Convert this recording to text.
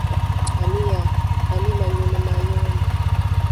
Ani nannyini mayumba?